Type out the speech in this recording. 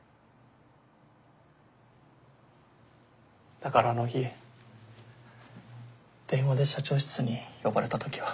だからあの日電話で社長室に呼ばれた時は。